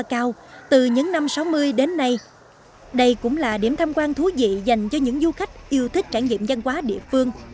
cao từ những năm sáu mươi đến nay đây cũng là điểm tham quan thú vị dành cho những du khách yêu thích trải nghiệm văn hóa địa phương